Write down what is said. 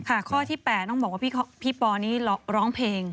ข้อที่๘ต้องบอกว่าพี่ปอนี่ร้องเพลง